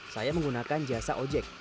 saya menggunakan jasa ojek